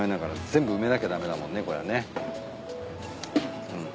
全部埋めなきゃ駄目だもんねこれね。うん。